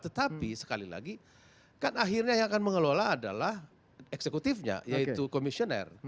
tetapi sekali lagi kan akhirnya yang akan mengelola adalah eksekutifnya yaitu komisioner